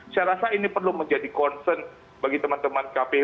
saya rasa ini perlu menjadi concern bagi teman teman kpu